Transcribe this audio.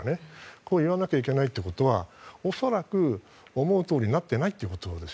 こう言わなきゃいけないということは思うとおりになっていないということです。